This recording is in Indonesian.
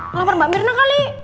ngelamar mbak mirna kali